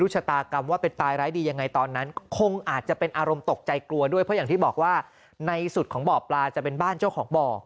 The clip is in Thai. ใจกลัวด้วยเพราะอย่างที่บอกว่าในสุดของบ่อปลาจะเป็นบ้านเจ้าของบ่อ